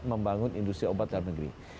membangun industri obat dalam negeri